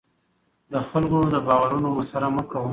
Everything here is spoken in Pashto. د خلکو د باورونو مسخره مه کوه.